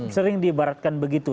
sering diibaratkan begitu